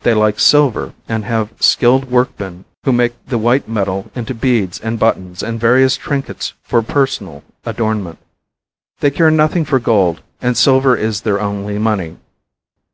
They like silver and have skilled workmen who make the white metal into beads and buttons and various trinkets for personal adornment. They care nothing for gold, and silver is their only money.